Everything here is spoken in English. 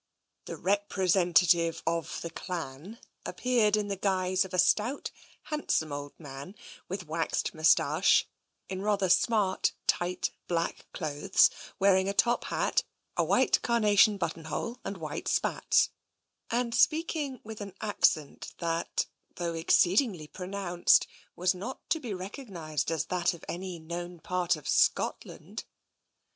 The representative of the Clan appeared in the guise of a stout, handsome old man with waxed moustache, in rather smart, tight, black clothes, wearing a top hat, a white carnation buttonhole, and white spats, and speaking with an accent that, though exceedingly pro nounced, was not to be recognised as that of any known part of Scotland.